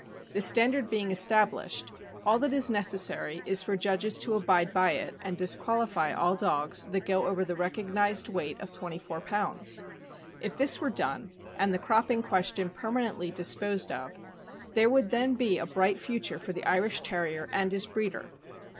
The standard being established, all that is necessary is for judges to abide by it, and disqualify all dogs that go over the recognized weight of twenty four pounds. If this were done, and the cropping question permanently disposed of, there would then be a bright future for the Irish Terrier and his breeder.